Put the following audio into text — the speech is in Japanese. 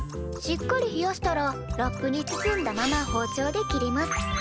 しっかり冷やしたらラップに包んだまま包丁で切ります。